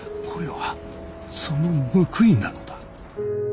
これはその報いなのだ。